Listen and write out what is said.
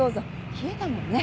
冷えたもんね。